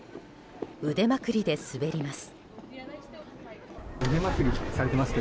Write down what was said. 腕まくりで滑ります。